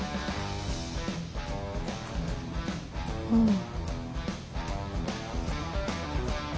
うん。